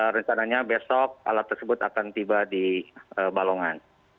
rencananya besok alat tersebut akan tiba di balongan